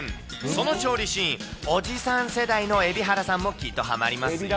その調理シーン、おじさん世代の蛯原さんもきっとはまりますよ。